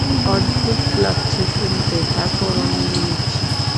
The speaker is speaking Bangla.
অদ্ভুত লাগছে শুনতে, তারপরেও মেনে নিচ্ছি।